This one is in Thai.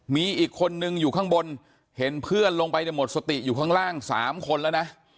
มีอีกคนนึงอยู่ข้างบนเห็นเพื่อนลงไปเนี่ยหมดสติอยู่ข้างล่าง๓คนแล้วนะ